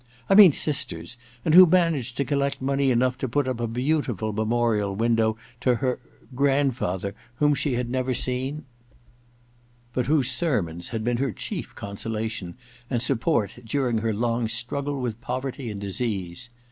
^ I mean sisters ; and who managed to collect money enough to put up a beautiful memorial window to her — ^her grandfather, whom she had never seen ' *But whose sermons had been her chief consolation and support during her long struggle with poverty and disease.'